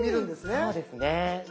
そうですね。